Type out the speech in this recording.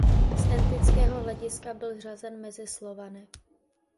Z etnického hlediska byl řazen mezi Slovany.